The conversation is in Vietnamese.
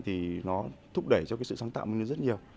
thì nó thúc đẩy cho cái sự sáng tạo của mình rất nhiều